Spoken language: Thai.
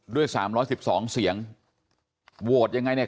ด้วย๓๑๒เสียงโหวตยังไงเนี่ย